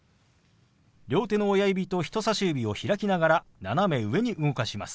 両手の親指と人さし指を開きながら斜め上に動かします。